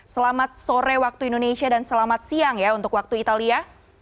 selamat sore waktu indonesia dan selamat siang ya untuk waktu italia